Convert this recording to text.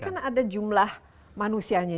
kan ada jumlah manusianya